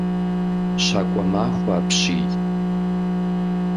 Щакӏуэмахуэ апщий.